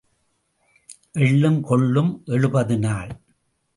எள்ளும் கொள்ளும் எழுபது நாள்.